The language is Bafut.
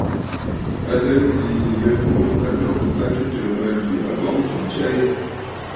À lɛ nzi nyə ŋû a nɔŋə̀ a tɨtɨ̀ɨ̀ mânjì, ŋ̀ghɔŋtə ntsya yi.